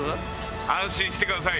安心してください。